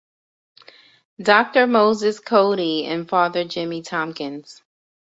Doctor Moses Coady and Father Jimmy Tompkins.